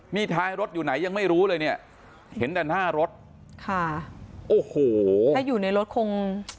นี่ท้ายรถอยู่ไหนยังไม่รู้เลยเนี่ยเห็นแต่หน้ารถค่ะโอ้โหถ้าอยู่ในรถคง